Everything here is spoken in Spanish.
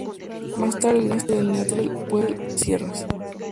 Más tarde el hombre de Neandertal puebla estas sierras.